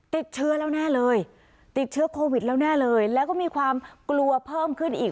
ติดเชื้อแล้วแน่เลยติดเชื้อโควิดแล้วแน่เลยแล้วก็มีความกลัวเพิ่มขึ้นอีก